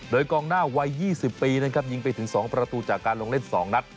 โดยกองหน้าวัย๒๐ปีนะครับยิงไปถึง๒ประตูจากการลงเล่น๒นัด